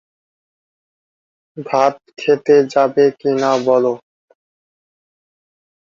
পূর্বে টালিগঞ্জ বিধানসভা কেন্দ্রটি কলকাতা দক্ষিণ লোকসভা কেন্দ্রের অন্তর্গত ছিল।